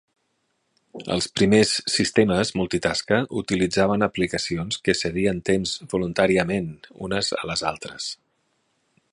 Els primers sistemes multitasca utilitzaven aplicacions que cedien temps voluntàriament unes a les altres.